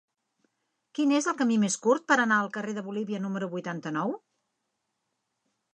Quin és el camí més curt per anar al carrer de Bolívia número vuitanta-nou?